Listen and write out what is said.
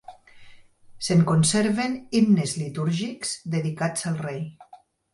Se'n conserven himnes litúrgics dedicats al rei.